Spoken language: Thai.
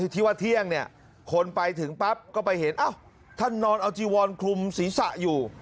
ที่ว่าเที่ยงเนี่ยคนไปถึงปั๊บก็ไปเห็นท่านนอนเอาจีวอนคลุมศีรษะอยู่